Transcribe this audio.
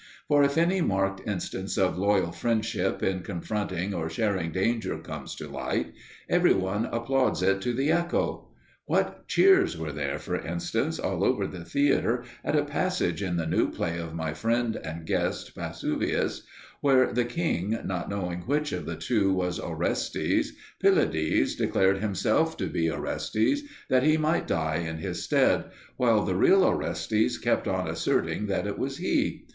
For if any marked instance of loyal friendship in confronting or sharing danger comes to light, every one applauds it to the echo. What cheers there were, for instance, all over the theatre at a passage in the new play of my friend and guest Pacuvius; where the king, not knowing which of the two was Orestes, Pylades declared himself to be Orestes, that he might die in his stead, while the real Orestes kept on asserting that it was he.